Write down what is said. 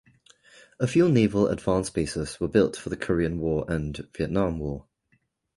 A few Naval Advance Bases were built for the Korean War and Vietnam War.